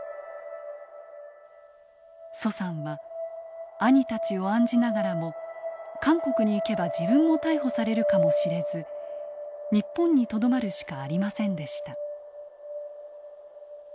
徐さんは兄たちを案じながらも韓国に行けば自分も逮捕されるかもしれず日本にとどまるしかありませんでした。